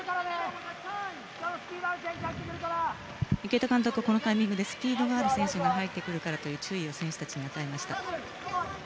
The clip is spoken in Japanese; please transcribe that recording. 池田監督、このタイミングでスピードがある選手が入ってくるからという注意を選手たちに与えました。